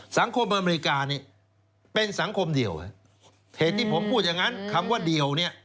สังคมอเมริกาเป็นสังคมเดียวเหตุที่ผมพูดอย่างนั้นคำว่าเดียว